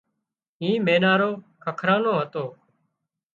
اِي مينارو ککران نو هتو